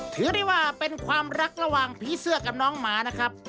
ถือได้ว่าเป็นความรักระหว่างผีเสื้อกับน้องหมานะครับ